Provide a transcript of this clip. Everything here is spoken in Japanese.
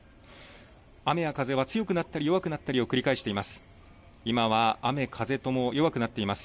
雨や風は強くなったり弱くなったりを繰り返しています。